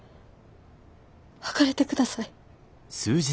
別れてください。